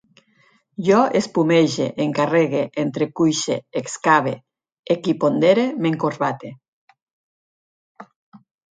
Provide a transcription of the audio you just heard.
Jo espumege, encarregue, entrecuixe, excave, equipondere, m'encorbate